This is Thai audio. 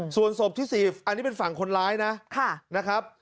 ส่วนศพที่๔อันนี้เป็นฝั่งคนร้ายนะครับ